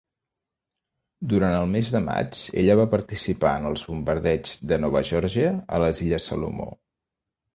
Durant el mes de maig ella va participar en els bombardeigs de Nova Geòrgia a les illes Salomó.